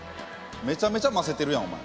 めちゃめちゃませてるやんお前。